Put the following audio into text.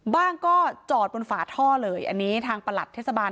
บ้างก็จอดบนฝาท่อเลยอันนี้ทางประหลัดเทศบาล